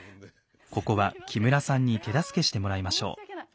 ここは木村さんに手助けしてもらいましょう。